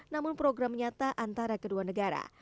namun program nyata antara kedua negara